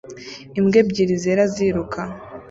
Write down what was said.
Imbwa ebyiri zera ziruka